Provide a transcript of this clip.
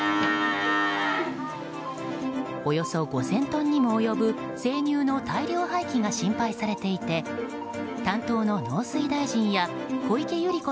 およそ５０００トンにも及ぶ生乳の大量廃棄が心配されていて担当の農水大臣や小池百合子